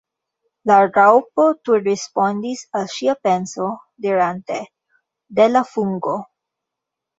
La Raŭpo tuj respondis al ŝia penso, dirante "De la fungo."